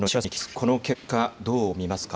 この結果、どう見ますか。